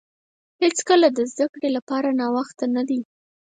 هیڅکله د زده کړې لپاره ناوخته نه دی.